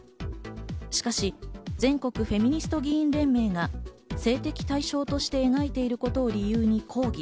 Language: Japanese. しかし全国フェミニスト議員連盟が性的対象として描いていることを理由に抗議。